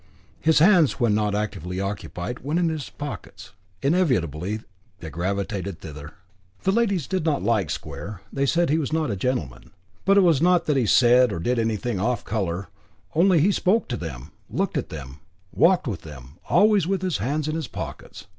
His hands, when not actively occupied, went into his pockets, inevitably they gravitated thither. Ladies did not like Square; they said he was not a gentleman. But it was not that he said or did anything "off colour," only he spoke to them, looked at them, walked with them, always with his hands in his pockets.